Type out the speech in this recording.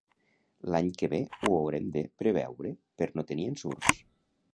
L'any que ve ho haurem de preveure per no tenir ensurts